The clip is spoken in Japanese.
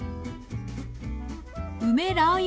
梅ラー油